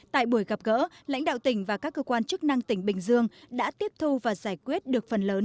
tại buổi gặp gỡ lãnh đạo tỉnh và các cơ quan chức năng tỉnh bình dương đã tiếp thu và giải quyết được phần lớn